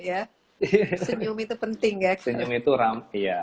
ada alternatif untuk menggunakan facial